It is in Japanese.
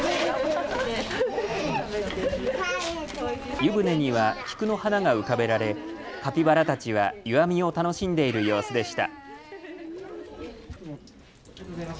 湯船には菊の花が浮かべられカピバラたちは湯あみを楽しんでいる様子でした。